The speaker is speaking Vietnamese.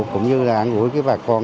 cũng như là an gũi bà con